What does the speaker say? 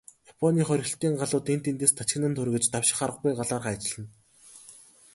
Японы хориглолтын галууд энд тэндээс тачигнан тургиж, давших аргагүй галаар хайчилна.